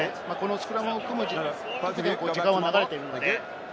スクラムを組む時間は流れているので。